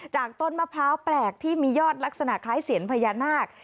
ต้นมะพร้าวแปลกที่มียอดลักษณะคล้ายเสียนพญานาค